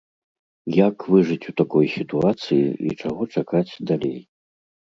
Як выжыць у такой сітуацыі і чаго чакаць далей?